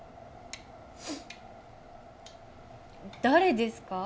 誰ですか？